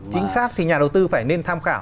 chính xác thì nhà đầu tư phải nên tham khảo